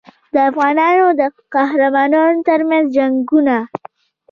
د افغانانو د قهرمانانو ترمنځ جنګونه.